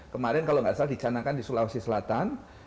kemarin kalau nggak salah dicanangkan di sulawesi selatan